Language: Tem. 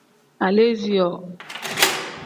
Aleesiyoo.